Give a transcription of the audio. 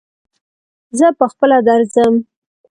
زه پهخپله درځم.